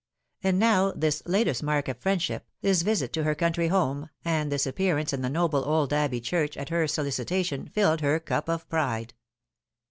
And now this latest mark of friendship, this visit to her country home, and this appearance in the noble old Abbey Church at her solici tation, filled her cup of pride.